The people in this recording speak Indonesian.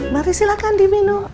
mari silakan diminum